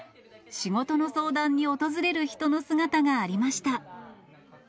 仕事の相談に訪れる人の姿がありました。